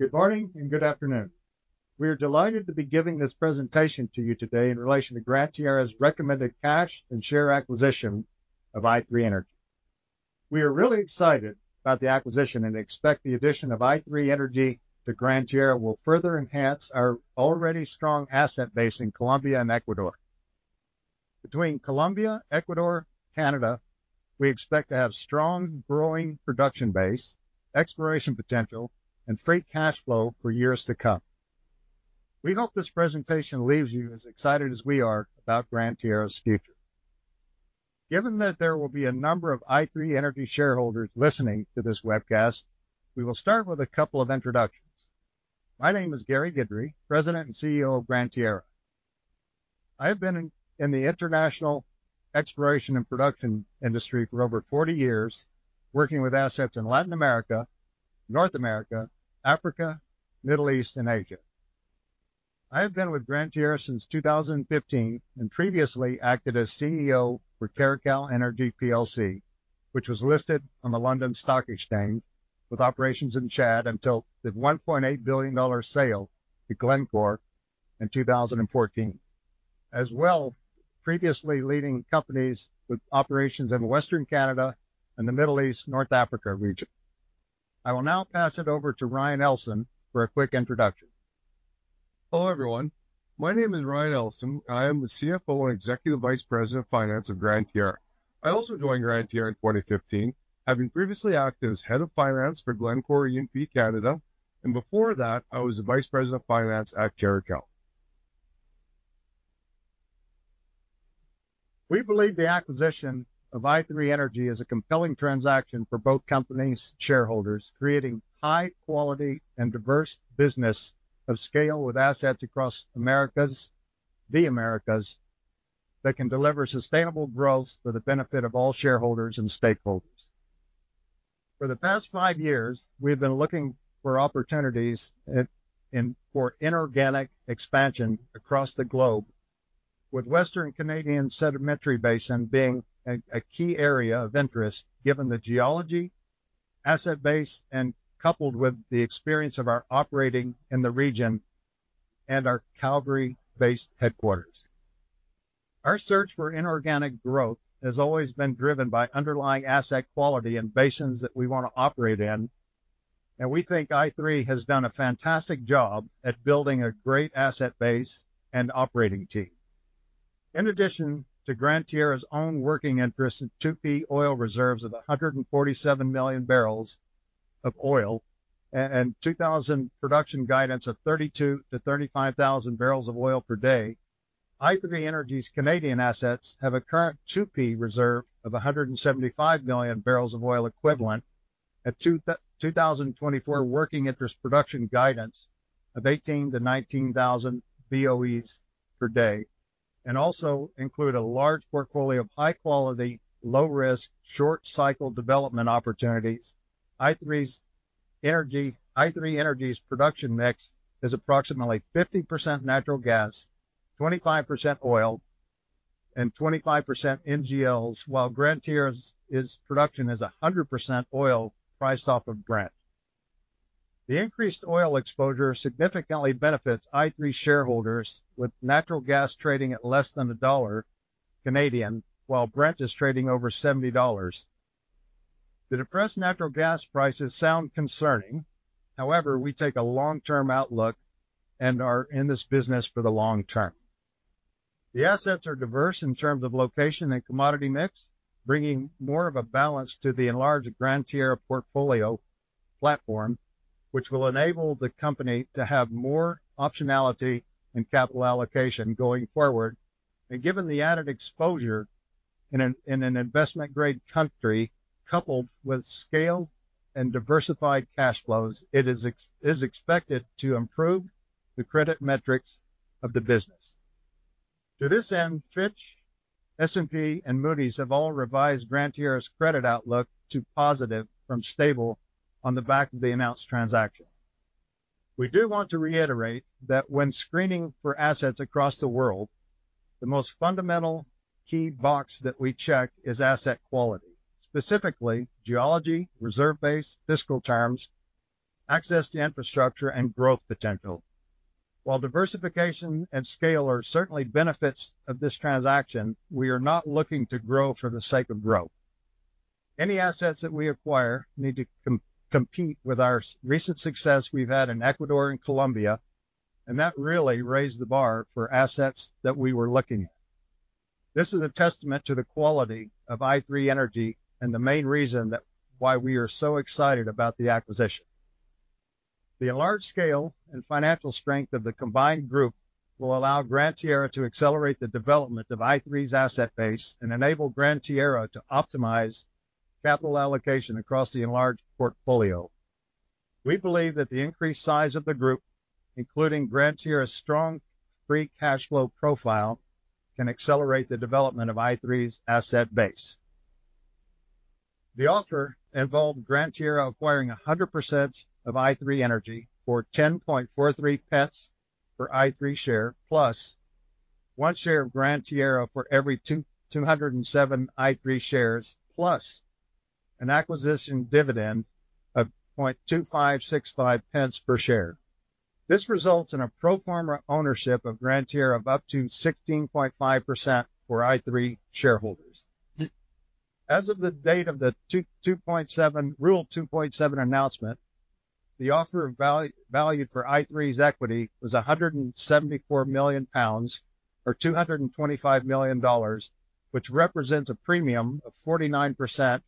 Good morning and good afternoon. We are delighted to be giving this presentation to you today in relation to Gran Tierra's recommended cash and share acquisition of i3 Energy. We are really excited about the acquisition and expect the addition of i3 Energy to Gran Tierra will further enhance our already strong asset base in Colombia and Ecuador. Between Colombia, Ecuador, Canada, we expect to have strong, growing production base, exploration potential, and free cash flow for years to come. We hope this presentation leaves you as excited as we are about Gran Tierra's future. Given that there will be a number of i3 Energy shareholders listening to this webcast, we will start with a couple of introductions. My name is Gary Guidry, President and CEO of Gran Tierra. I have been in the international exploration and production industry for over 40 years, working with assets in Latin America, North America, Africa, Middle East, and Asia. I have been with Gran Tierra since 2015, and previously acted as CEO for Caracal Energy PLC, which was listed on the London Stock Exchange, with operations in Chad until the $1.8 billion sale to Glencore in 2014. As well, previously leading companies with operations in Western Canada and the Middle East, North Africa region. I will now pass it over to Ryan Ellson for a quick introduction. Hello, everyone. My name is Ryan Ellson, and I am the CFO and Executive Vice President of Finance of Gran Tierra. I also joined Gran Tierra in 2015, having previously acted as Head of Finance for Glencore E&P Canada, and before that, I was the Vice President of Finance at Caracal. We believe the acquisition of i3 Energy is a compelling transaction for both companies' shareholders, creating high quality and diverse business of scale with assets across Americas, the Americas, that can deliver sustainable growth for the benefit of all shareholders and stakeholders. For the past five years, we've been looking for opportunities at, in, for inorganic expansion across the globe, with Western Canadian Sedimentary Basin being a key area of interest, given the geology, asset base, and coupled with the experience of our operating in the region and our Calgary-based headquarters. Our search for inorganic growth has always been driven by underlying asset quality in basins that we want to operate in, and we think i3 has done a fantastic job at building a great asset base and operating team. In addition to Gran Tierra's own working interest in 2P oil reserves of 147 million barrels of oil and 2,000 production guidance of 32,000-35,000 barrels of oil per day, i3 Energy's Canadian assets have a current 2P reserve of 175 million barrels of oil equivalent, a 2024 working interest production guidance of 18,000-19,000 BOEs per day, and also include a large portfolio of high quality, low risk, short cycle development opportunities. i3 Energy's production mix is approximately 50% natural gas, 25% oil, and 25% NGLs, while Gran Tierra's, its production is 100% oil priced off of Brent. The increased oil exposure significantly benefits i3 shareholders, with natural gas trading at less than CAD 1, while Brent is trading over $70. The depressed natural gas prices sound concerning, however, we take a long-term outlook and are in this business for the long term. The assets are diverse in terms of location and commodity mix, bringing more of a balance to the enlarged Gran Tierra portfolio platform, which will enable the company to have more optionality and capital allocation going forward, and given the added exposure in an investment-grade country, coupled with scale and diversified cash flows, it is expected to improve the credit metrics of the business. To this end, Fitch, S&P, and Moody's have all revised Gran Tierra's credit outlook to positive from stable on the back of the announced transaction. We do want to reiterate that when screening for assets across the world, the most fundamental key box that we check is asset quality, specifically geology, reserve base, fiscal terms, access to infrastructure, and growth potential. While diversification and scale are certainly benefits of this transaction, we are not looking to grow for the sake of growth. Any assets that we acquire need to compete with our recent success we've had in Ecuador and Colombia, and that really raised the bar for assets that we were looking at. This is a testament to the quality of i3 Energy and the main reason that why we are so excited about the acquisition. The large scale and financial strength of the combined group will allow Gran Tierra to accelerate the development of i3's asset base and enable Gran Tierra to optimize capital allocation across the enlarged portfolio. We believe that the increased size of the group, including Gran Tierra's strong free cash flow profile, can accelerate the development of i3's asset base. The offer involved Gran Tierra acquiring 100% of i3 Energy for 0.1043 per i3 share, plus one share of Gran Tierra for every 227 i3 shares, plus an acquisition dividend of 0.002565 per share. This results in a pro forma ownership of Gran Tierra of up to 16.5% for i3 shareholders. As of the date of the Rule 2.7 announcement, the offer valued i3's equity at 174 million pounds, or $225 million, which represents a premium of 49%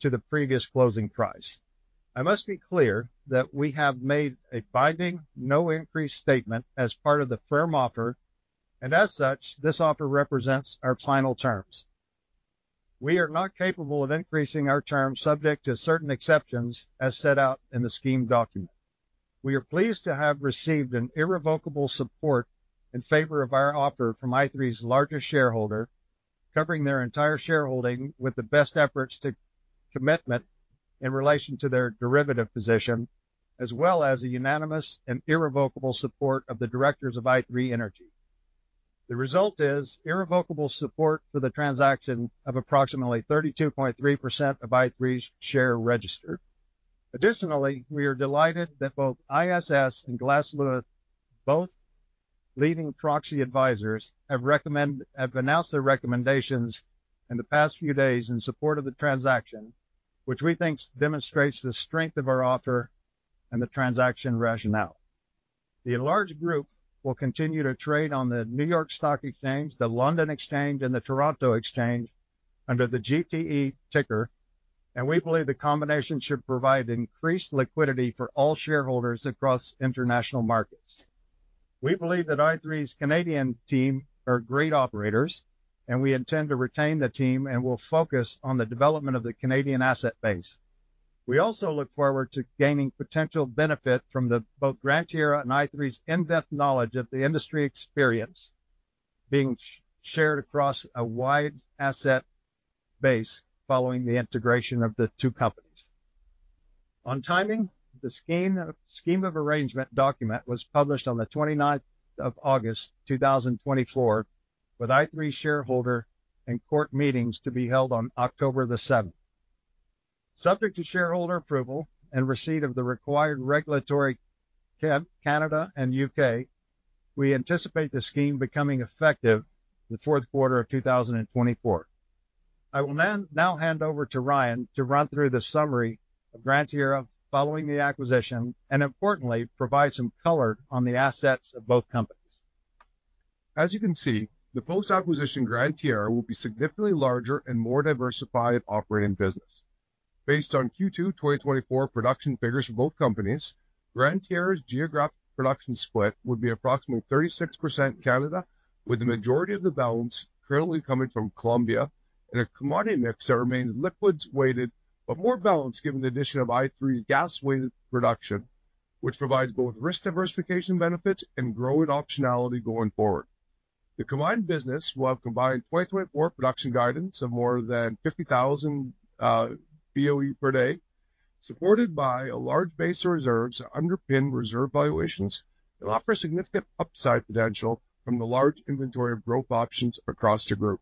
to the previous closing price. I must be clear that we have made a binding, no increase statement as part of the firm offer, and as such, this offer represents our final terms. We are not capable of increasing our terms, subject to certain exceptions, as set out in the scheme document. We are pleased to have received an irrevocable support in favor of our offer from i3's largest shareholder, covering their entire shareholding with the best efforts commitment in relation to their derivative position, as well as a unanimous and irrevocable support of the directors of i3 Energy. The result is irrevocable support for the transaction of approximately 32.3% of i3's share register. Additionally, we are delighted that both ISS and Glass Lewis, both leading proxy advisors, have announced their recommendations in the past few days in support of the transaction, which we think demonstrates the strength of our offer and the transaction rationale. The enlarged group will continue to trade on the New York Stock Exchange, the London Stock Exchange, and the Toronto Stock Exchange under the GTE ticker, and we believe the combination should provide increased liquidity for all shareholders across international markets. We believe that i3's Canadian team are great operators, and we intend to retain the team and will focus on the development of the Canadian asset base. We also look forward to gaining potential benefit from the both Gran Tierra and i3's in-depth knowledge of the industry experience being shared across a wide asset base following the integration of the two companies. On timing, the scheme of arrangement document was published on the 29th of August, 2024, with i3 shareholder and court meetings to be held on October the 7th. Subject to shareholder approval and receipt of the required regulatory Canada and U.K., we anticipate the scheme becoming effective in the fourth quarter of 2024. I will then now hand over to Ryan to run through the summary of Gran Tierra following the acquisition, and importantly, provide some color on the assets of both companies. As you can see, the post-acquisition Gran Tierra will be significantly larger and more diversified operating business. Based on Q2, 2024 production figures for both companies, Gran Tierra's geographic production split would be approximately 36% Canada, with the majority of the balance currently coming from Colombia, and a commodity mix that remains liquids weighted, but more balanced given the addition of i3's gas weighted production. Which provides both risk diversification benefits and growing optionality going forward. The combined business will have combined 2024 production guidance of more than 50,000 BOE per day, supported by a large base of reserves that underpin reserve valuations and offer significant upside potential from the large inventory of growth options across the group.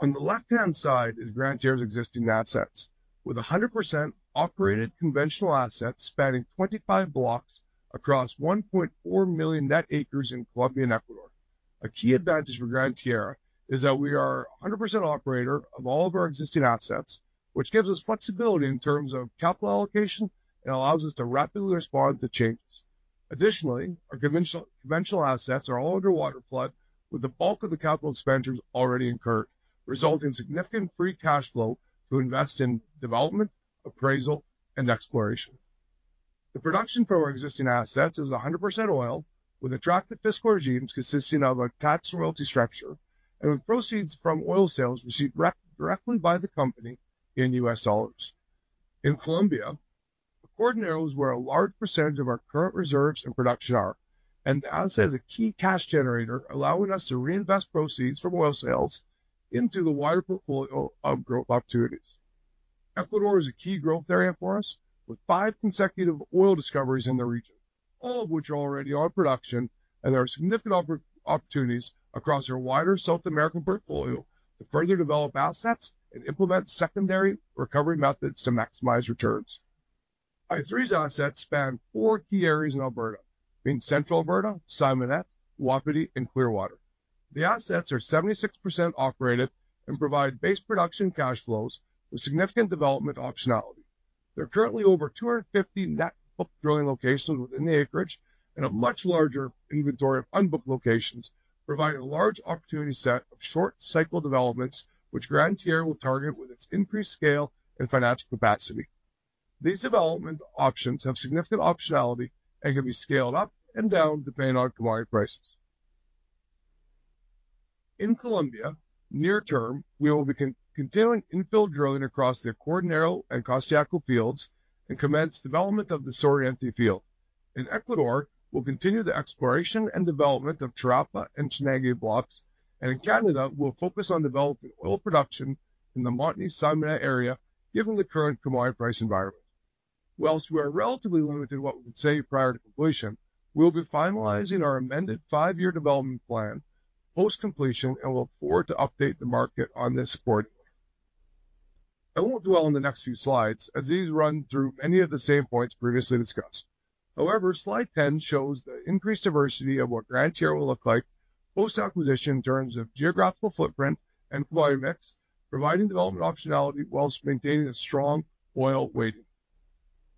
On the left-hand side is Gran Tierra's existing assets, with 100% operated conventional assets spanning 25 blocks across 1.4 million net acres in Colombia and Ecuador. A key advantage for Gran Tierra is that we are a 100% operator of all of our existing assets, which gives us flexibility in terms of capital allocation and allows us to rapidly respond to changes. Additionally, our conventional assets are all under waterflood, with the bulk of the capital expenditures already incurred, resulting in significant free cash flow to invest in development, appraisal, and exploration. The production from our existing assets is 100% oil, with attractive fiscal regimes consisting of a tax royalty structure, and with proceeds from oil sales received directly by the company in U.S. dollars. In Colombia, the Acordionero is where a large percentage of our current reserves and production are, and the asset is a key cash generator, allowing us to reinvest proceeds from oil sales into the wider portfolio of growth opportunities. Ecuador is a key growth area for us, with five consecutive oil discoveries in the region, all of which are already on production, and there are significant opportunities across our wider South American portfolio to further develop assets and implement secondary recovery methods to maximize returns. i3's assets span four key areas in Alberta, in Central Alberta, Simonette, Wapiti, and Clearwater. The assets are 76% operated and provide base production cash flows with significant development optionality. There are currently over two hundred and fifty net book drilling locations within the acreage, and a much larger inventory of unbooked locations, providing a large opportunity set of short cycle developments, which Gran Tierra will target with its increased scale and financial capacity. These development options have significant optionality and can be scaled up and down depending on commodity prices. In Colombia, near term, we will be continuing infill drilling across the Acordionero and Costayaco fields and commence development of the Suroriente field. In Ecuador, we'll continue the exploration and development of Charapa and Chanangue blocks, and in Canada, we'll focus on developing oil production in the Montney Simonette area, given the current commodity price environment. While we are relatively limited in what we can say prior to completion, we'll be finalizing our amended five-year development plan post-completion, and look forward to update the market on this accordingly. I won't dwell on the next few slides, as these run through many of the same points previously discussed. However, slide 10 shows the increased diversity of what Gran Tierra will look like post-acquisition in terms of geographical footprint and volume mix, providing development optionality while maintaining a strong oil weighting.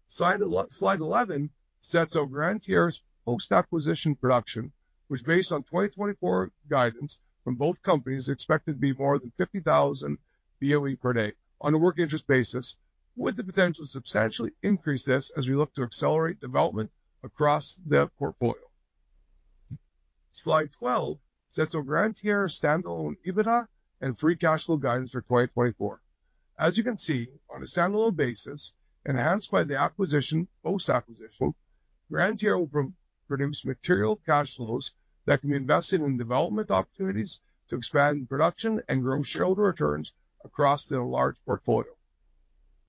Slide 11 sets out Gran Tierra's post-acquisition production, which based on 2024 guidance from both companies, expected to be more than 50,000 BOE per day on a working interest basis, with the potential to substantially increase this as we look to accelerate development across the portfolio. Slide 12 sets out Gran Tierra's standalone EBITDA and free cash flow guidance for 2024. As you can see, on a standalone basis, enhanced by the acquisition, post-acquisition, Gran Tierra will produce material cash flows that can be invested in development opportunities to expand production and grow shareholder returns across the enlarged portfolio.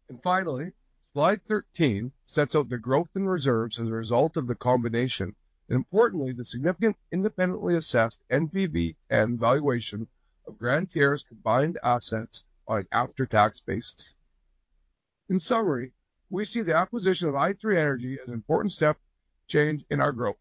And finally, slide thirteen sets out the growth in reserves as a result of the combination, and importantly, the significant independently assessed NPV and valuation of Gran Tierra's combined assets on an after-tax basis. In summary, we see the acquisition of i3 Energy as an important step change in our growth.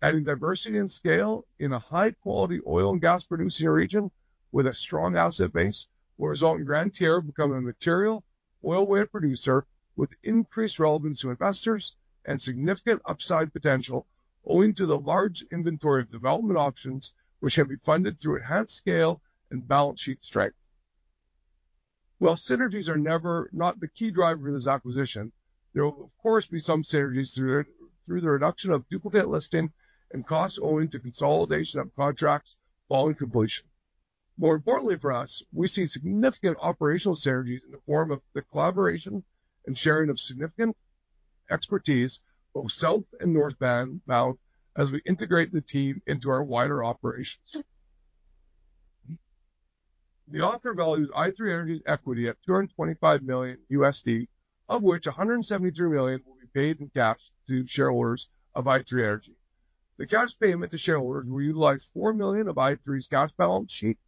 Adding diversity and scale in a high-quality oil and gas producing region with a strong asset base will result in Gran Tierra becoming a material oil well producer, with increased relevance to investors and significant upside potential, owing to the large inventory of development options, which can be funded through enhanced scale and balance sheet strength. While synergies are never not the key driver of this acquisition, there will, of course, be some synergies through the reduction of duplicate listing and costs owing to consolidation of contracts following completion. More importantly for us, we see significant operational synergies in the form of the collaboration and sharing of significant expertise, both south and north bound, as we integrate the team into our wider operations. The offer values i3 Energy's equity at $225 million, of which $173 million will be paid in cash to shareholders of i3 Energy. The cash payment to shareholders will utilize $4 million of i3's cash balance sheet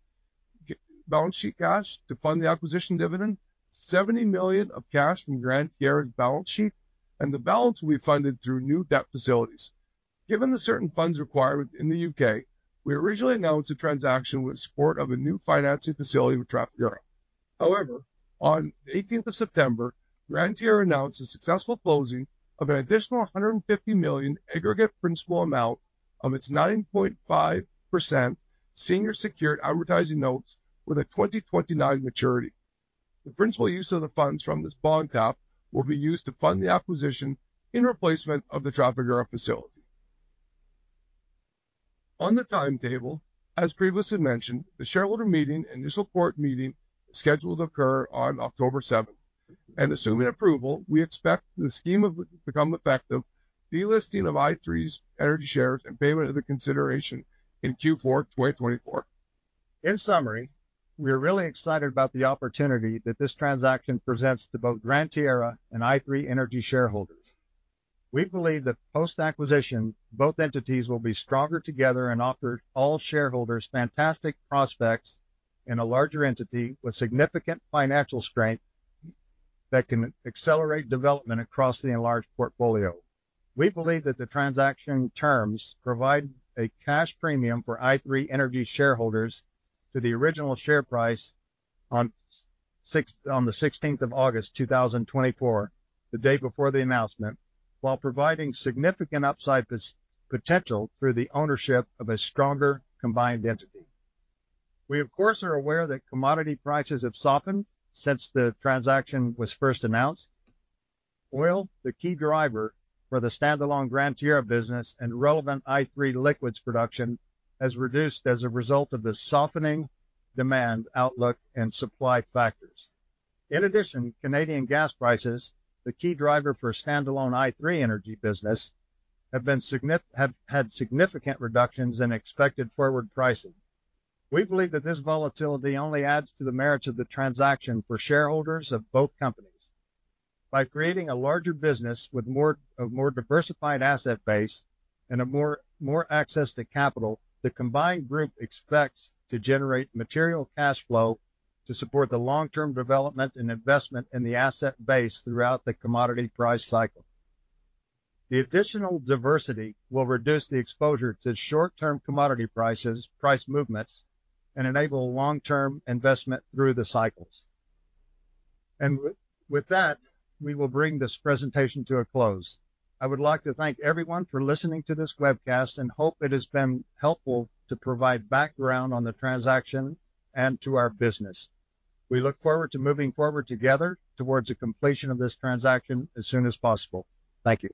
cash to fund the acquisition dividend, $70 million of cash from Gran Tierra's balance sheet, and the balance will be funded through new debt facilities. Given the certain funds requirement in the U.K., we originally announced a transaction with support of a new financing facility with Trafigura. However, on the eighteenth of September, Gran Tierra announced the successful closing of an additional $150 million aggregate principal amount of its 9.5% senior secured amortizing notes with a 2029 maturity. The principal use of the funds from this bond tap will be used to fund the acquisition in replacement of the Trafigura facility. On the timetable, as previously mentioned, the shareholder meeting and initial court meeting is scheduled to occur on October seventh, and assuming approval, we expect the scheme of arrangement would become effective, delisting of i3 Energy shares and payment of the consideration in Q4 2024. In summary, we are really excited about the opportunity that this transaction presents to both Gran Tierra and i3 Energy shareholders. We believe that post-acquisition, both entities will be stronger together and offer all shareholders fantastic prospects in a larger entity, with significant financial strength that can accelerate development across the enlarged portfolio. We believe that the transaction terms provide a cash premium for i3 Energy shareholders to the original share price on the 16th of August, 2024, the day before the announcement, while providing significant upside potential through the ownership of a stronger combined entity. We, of course, are aware that commodity prices have softened since the transaction was first announced. Oil, the key driver for the standalone Gran Tierra business and relevant i3 liquids production, has reduced as a result of the softening demand outlook and supply factors. In addition, Canadian gas prices, the key driver for a standalone i3 Energy business, have had significant reductions in expected forward pricing. We believe that this volatility only adds to the merits of the transaction for shareholders of both companies. By creating a larger business with a more diversified asset base and more access to capital, the combined group expects to generate material cash flow to support the long-term development and investment in the asset base throughout the commodity price cycle. The additional diversity will reduce the exposure to short-term commodity prices, price movements, and enable long-term investment through the cycles. With that, we will bring this presentation to a close. I would like to thank everyone for listening to this webcast, and hope it has been helpful to provide background on the transaction and to our business. We look forward to moving forward together towards the completion of this transaction as soon as possible. Thank you.